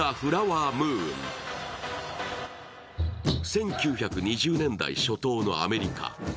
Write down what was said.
１９２０年代初頭のアメリカ。